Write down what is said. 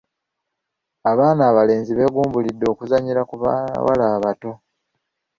Abaana abalenzi beegumbuludde okuzannyira ku bawala abato.